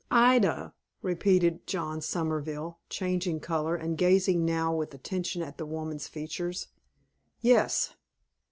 "Ida!" repeated John Somerville, changing color, and gazing now with attention at the woman's features. "Yes."